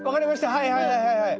はいはいはいはいはい。